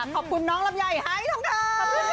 ขอบคุณน้องลำนายไฮทองเว้อ